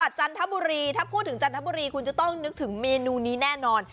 จันทบุรีถ้าพูดถึงจันทบุรีคุณจะต้องนึกถึงเมนูนี้แน่นอน